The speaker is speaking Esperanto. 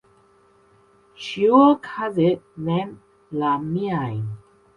Ĉiuokaze ne la miajn.